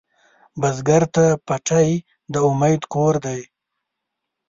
بزګر ته پټی د امید کور دی